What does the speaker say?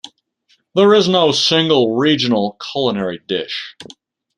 There is no single regional culinary dish.